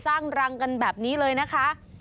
สร้างรังกันแบบนี้เลยนะคะ